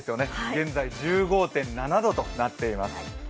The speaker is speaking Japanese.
現在、１５．７度となっています。